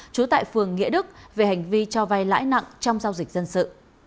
trú tại phường nghĩa đức về hành vi cho vay lãi nặng trong giao dịch dân sự